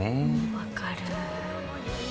分かる。